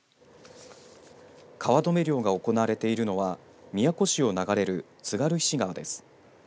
川止め漁が行われているのは宮古市を流れる津軽石川です。